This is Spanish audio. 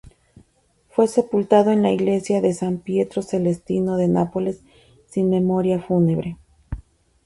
Fue sepultado en la iglesia de S. Pietro Celestino de Nápoles sin memoria fúnebre.